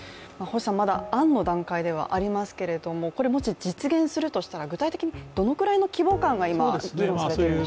まだ案の段階ではありますけどもし実現するとしたら具体的にどのくらいの規模感が今議論されているんでしょう？